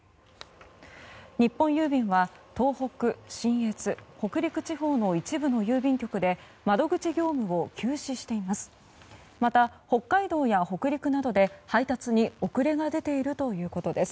日本郵便は東北、信越、北陸地方の一部の郵便局で窓口業務を休止しています。